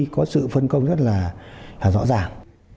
có sự phân công rất rõ ràng